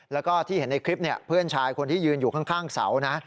แล้วก็ที่เห็นในคลิปเพื่อนชายคนที่ยืนอยู่ข้างเสานะ